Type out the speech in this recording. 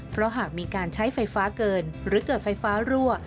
เพราะหากมีการใช้ไฟฟ้าเกินหรือเกิดไฟฟ้ารั่ว